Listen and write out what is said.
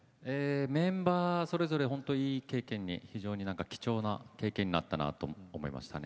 メンバーそれぞれ本当にいい経験に、非常に貴重な経験になったなと思いました。